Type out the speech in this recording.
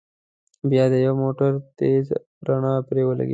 بيا د يوه موټر تېزه رڼا پرې ولګېده.